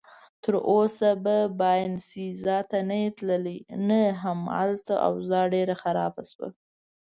تراوسه به باینسیزا ته نه یې تللی؟ نه، هماغلته اوضاع ډېره خرابه شوه.